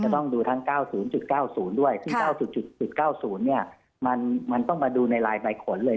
ทั้ง๙๐๙๐ด้วย๙๐๙๐มันต้องมาดูในลายใบขนเลย